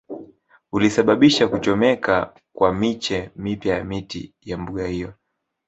Ulisababisha kuchomeka kwa miche mipya ya miti ya mbuga hiyo